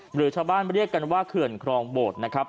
หรือชาวบ้านเรียกกันว่าเขื่อนครองโบดนะครับ